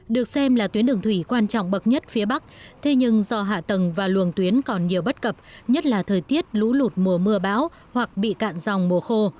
được xem là tuyến đường thủy quan trọng bậc nhất phía bắc thế nhưng do hạ tầng và luồng tuyến còn nhiều bất cập nhất là thời tiết lũ lụt mùa mưa bão hoặc bị cạn dòng mùa khô